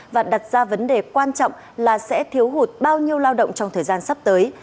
và đặt ra vấn đề quan trọng là sẽ thiếu hụt bao nhiêu lao động trong thời gian sắp tới